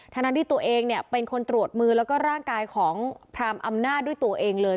ทั้งนั้นที่ตัวเองเนี่ยเป็นคนตรวจมือแล้วก็ร่างกายของพรามอำนาจด้วยตัวเองเลย